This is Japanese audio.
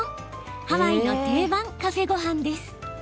ハワイの定番、カフェごはんです。